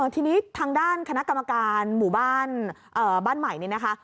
ทีนี้ทางด้านคณะกรรมการหมู่บ้านบ้านใหม่นี่นะคะ